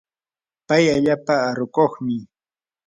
pay allaapa arukuqmi.